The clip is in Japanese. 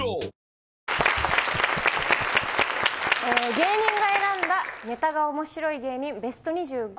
芸人が選んだネタが面白い芸人ベスト２５。